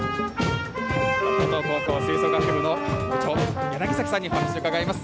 五島高校吹奏楽部の部長のさんにお話を伺います。